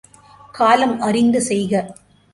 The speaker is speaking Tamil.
காலம் அறிந்து செய்க!